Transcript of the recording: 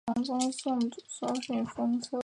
掌叶悬钩子是蔷薇科悬钩子属的植物。